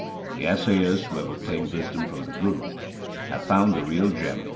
The assayers who have obtained wisdom from the Guru, have found the real gem after testing.